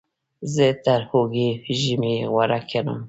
زه تر اوړي ژمی غوره ګڼم.